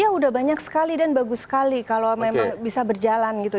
ya udah banyak sekali dan bagus sekali kalau memang bisa berjalan gitu